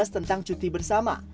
tujuh belas tentang cuti bersama